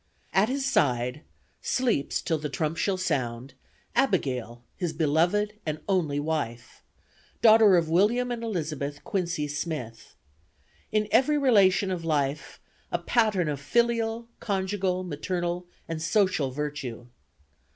AT HIS SIDE SLEEPS, TILL THE TRUMP SHALL SOUND, ABIGAIL, HIS BELOVED AND ONLY WIFE, DAUGHTER OF WILLIAM AND ELIZABETH (QUINCY) SMITH; IN EVERY RELATION OF LIFE A PATTERN OF FILIAL, CONJUGAL, MATERNAL, AND SOCIAL VIRTUE.